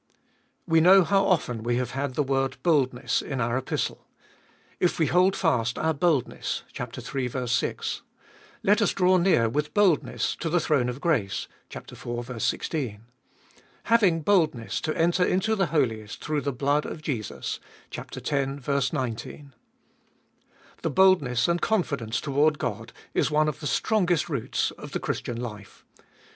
WE know how often we have had the word boldness in our Epistle. If we hold fast our boldness (iii. 6) ; Let us draw near with boldness to the throne of grace (iv. 16) ; Having boldness to enter into the Holiest through the blood of Jesus (x. 19). The boldness and confidence toward God is one of the strongest roots of the Christian life.